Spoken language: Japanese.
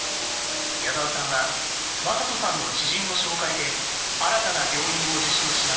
矢沢さんは魔裟斗さんの知人の紹介で新たな病院を受診します。